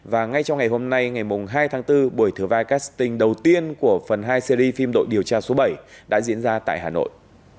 và ngay trong ngày hôm nay ngày hai tháng bốn buổi thử vai casting đầu tiên của phần hai series phim đội điều tra số bảy đã diễn ra tại hà nội